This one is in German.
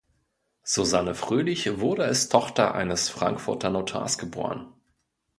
Susanne Fröhlich wurde als Tochter eines Frankfurter Notars geboren.